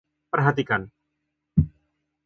Perhatikan.